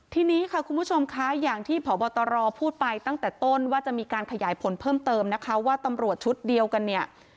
ทีนี้ค่ะคุณผู้ชมคะอย่างที่พบตรพูดไปตั้งแต่ต้นว่าจะมีการขยายผลเพิ่มเติมนะคะว่าตำรวจชุดเดียวกันเนี่ย